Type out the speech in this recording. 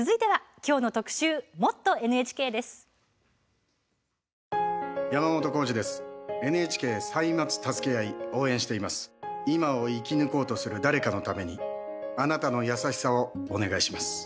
今を生き抜こうとする誰かのためにあなたの優しさをお願いします。